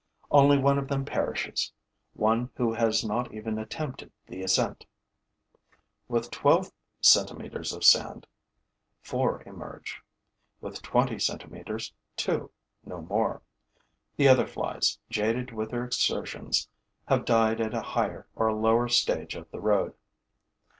Only one of them perishes, one who has not even attempted the ascent. With twelve centimeters of sand, four emerge. With twenty centimeters, two, no more. The other flies, jaded with their exertions, have died at a higher or lower stage of the road.